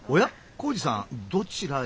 紘二さんどちらへ？